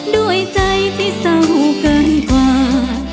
ด้วยใจที่เศร้าเกินกว่า